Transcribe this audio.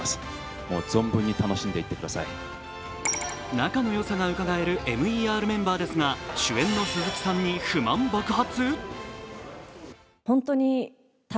仲の良さがうかがえるＭＥＲメンバーですが、主演の鈴木さんに不満爆発？